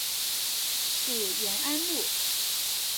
属延安路。